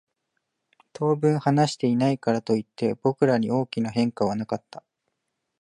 当分話していないからといって、僕らに大きな変化はなかった。